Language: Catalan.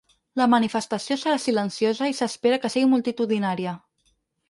La manifestació serà silenciosa i s’espera que sigui multitudinària.